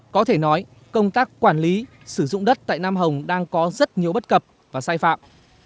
có thể nói công tác quản lý sử dụng đất tại nam hồng đang có rất nhiều bất cập và sai phạm